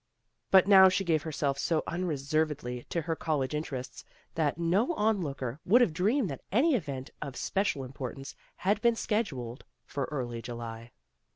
But now she gave herself so unreservedly to her college interests that no on looker would have dreamed tha,t any event of special importance had been scheduled for early July.